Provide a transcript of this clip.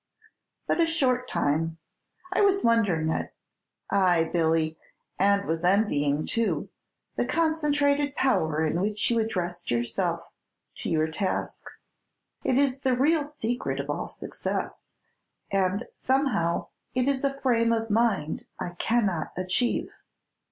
"But a short time; I was wondering at ay, Billy, and was envying, too the concentrated power in which you address yourself to your task. It is the real secret of all success, and somehow it is a frame of mind I cannot achieve."